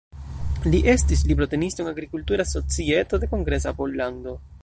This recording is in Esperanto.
Li estis librotenisto en Agrikultura Societo de Kongresa Pollando.